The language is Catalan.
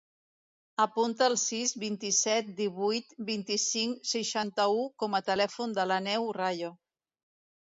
Apunta el sis, vint-i-set, divuit, vint-i-cinc, seixanta-u com a telèfon de l'Aneu Rayo.